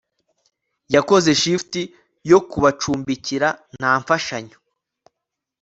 Yakoze shift yo kubacumbikira nta mfashanyo